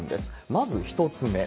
まず１つ目。